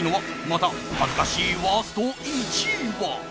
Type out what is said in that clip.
また恥ずかしいワースト１位は？